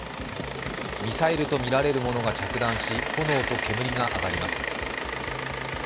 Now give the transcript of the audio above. ミサイルとみられるものが着弾し、炎と煙が上がります。